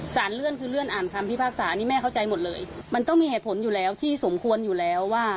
สารเลื่อนคือเลื่อนอ่านคำพิพากษานี่แม่เข้าใจหมดเลยมันต้องมีเหตุผลอยู่แล้วที่สมควรอยู่แล้วว่า